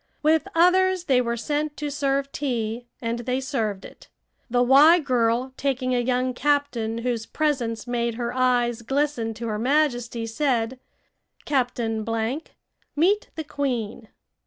With others they were sent to serve tea, and they served it. The "Y" girl, taking a young captain whose presence made her eyes glisten to her Majesty, said: "Captain Blank, meet the queen."